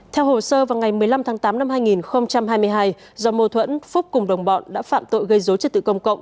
theo hồ sơ vào ngày một mươi năm tháng tám năm hai nghìn hai mươi hai do mô thuẫn phúc cùng đồng bọn đã phạm tội gây dối trật tự công cộng